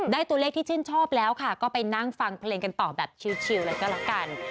ได้ตัวเลขที่ชื่นชอบแล้วค่ะก็ไปนั่งฟังเพลงกันต่อแบบชิลเลยก็ละกัน